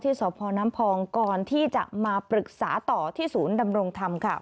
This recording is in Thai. สพน้ำพองก่อนที่จะมาปรึกษาต่อที่ศูนย์ดำรงธรรมค่ะ